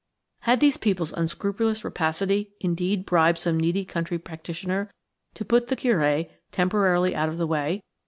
Had these people's unscrupulous rapacity indeed bribed some needy country practitioner to put the Curé temporarily out of the way?